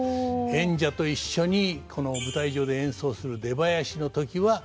演者と一緒に舞台上で演奏する出囃子の時は四拍子なんです。